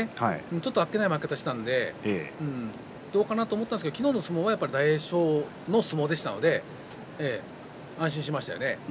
ちょっと、あっけない負け方をしたので、どうかなと思ったんですけれども昨日の相撲は大栄翔の相撲でしたので安心しましたよね。